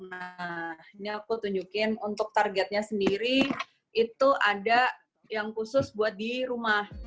nah ini aku tunjukin untuk targetnya sendiri itu ada yang khusus buat di rumah